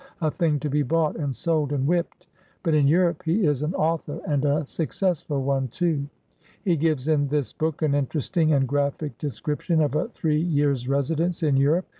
— a thing to be bought, and sold, and whipped : but in Europe, he is an author, and a successful one. too. He gives in this book an interesting and graphic description of a three years' residence in Europe.